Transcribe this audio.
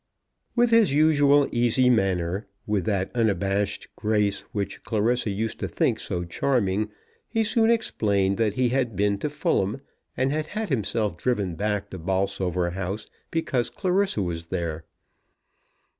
With his usual easy manner, with that unabashed grace which Clarissa used to think so charming, he soon explained that he had been to Fulham, and had had himself driven back to Bolsover House because Clarissa was there.